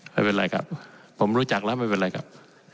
ไม่เป็นไรครับผมรู้จักแล้วไม่เป็นไรครับ